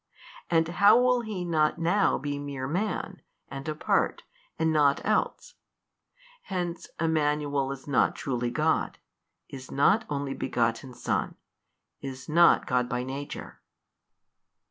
And how will he not now be mere man and apart and nought else? Hence Emmanuel is not truly God, is not Only Begotten Son, is not God by Nature.